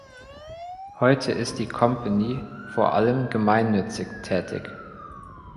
Heute ist die Company vor allem gemeinnützig tätig.